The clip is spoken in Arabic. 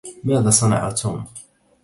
ماذا صنع توم؟